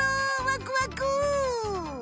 わくわく。